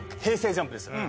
ＪＵＭＰですよ